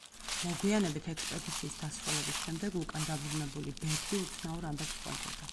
მოგვიანებით, ექსპედიციის დასრულების შემდეგ, უკან დაბრუნებული ბერდი უცნაურ ამბებს ყვებოდა.